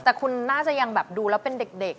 แต่คุณน่าจะยังแบบดูแล้วเป็นเด็ก